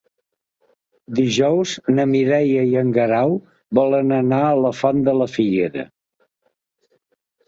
Dijous na Mireia i en Guerau volen anar a la Font de la Figuera.